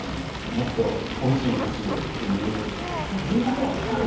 もっとおいしいの欲しいよっていう。